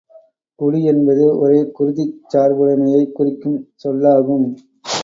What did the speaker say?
குடி என்பது ஒரே குருதிச் சார்புடைமையைக் குறிக்கும் சொல்லாகும்.